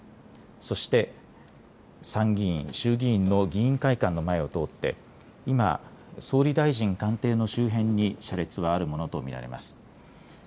そして、参議院、衆議院の議員会館の前を通って今、総理大臣官邸の周辺に車列はあるものと見られます。